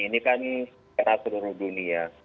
ini kan era seluruh dunia